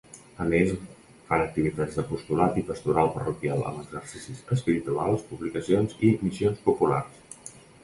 A més, fan activitats d'apostolat i pastoral parroquial, amb exercicis espirituals, publicacions i missions populars.